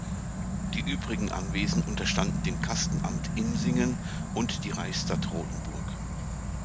Die übrigen Anwesen unterstanden dem Kastenamt Insingen und die Reichsstadt Rothenburg.